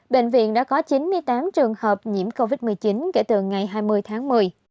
bệnh viện đã có chín mươi tám trường hợp nhiễm covid một mươi chín kể từ ngày hai mươi tháng một mươi